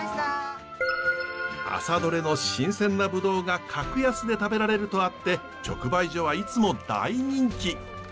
朝どれの新鮮なブドウが格安で食べられるとあって直売所はいつも大人気。